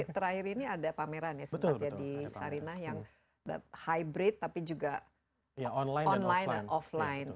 terakhir ini ada pameran ya sempat jadi sarinah yang hybrid tapi juga online dan offline